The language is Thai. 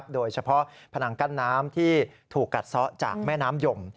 โดยเฉพาะผนังกั้นน้ำที่ถูกกัดซ้อจากแม่น้ำยม